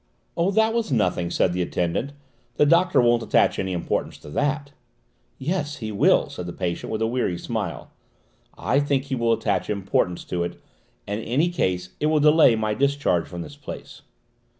"Oh, that was nothing," said the attendant. "The doctor won't attach any importance to that." "Yes, he will," said the patient with a weary smile. "I think he will attach importance to it, and in any case it will delay my discharge from this place."